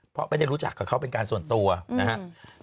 เพราะไม่ได้รู้จักกับเขาเป็นการส่วนตัวนะครับ